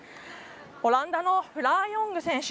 オランダのフラー・ヨング選手。